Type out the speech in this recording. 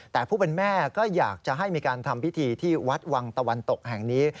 แต่ผู้เป็นแม่ก็อยากจะให้มีการทำพิธีที่วัดวังตะวันตกแห่งนี้